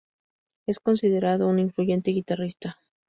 Es considerado un influyente guitarrista.